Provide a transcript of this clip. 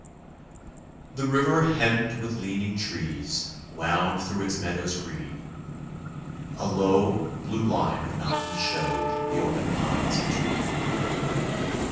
The river hemmed with leaning trees Wound through its meadows green; A low, blue line of mountains showed The open pines between.